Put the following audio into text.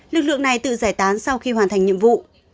lực lượng này tự giải tán sau khi hoàn thành nhiệm vụ